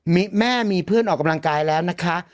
แม่มีเพื่อนออกกำลังกายแล้วนะคะ